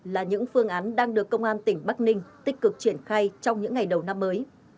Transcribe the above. là những phương án đang được công an tỉnh bắc ninh tích cực triển khai trong những ngày đầu năm mới